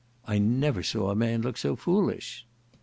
I never saw a man look so foolish!"